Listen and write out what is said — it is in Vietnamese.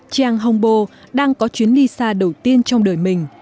chang hongbo đang có chuyến đi xa đầu tiên trong đời mình